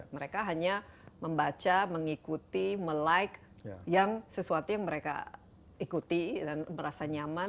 mereka hanya membaca mengikuti melike yang sesuatu yang mereka ikuti dan merasa nyaman